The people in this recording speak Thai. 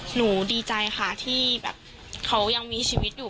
หนูดีใจค่ะที่แบบเขายังมีชีวิตอยู่